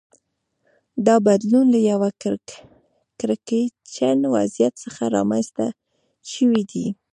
دا بدلون له یوه کړکېچن وضعیت څخه رامنځته شوی دی